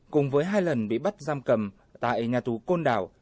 cùng với hai lần bị bắt giam cầm tại nhà tù côn đảo